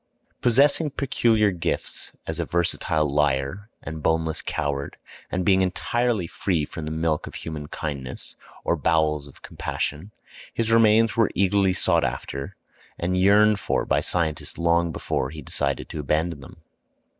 ] Possessing peculiar gifts as a versatile liar and boneless coward, and being entirely free from the milk of human kindness or bowels of compassion, his remains were eagerly sought after and yearned for by scientists long before he decided to abandon them.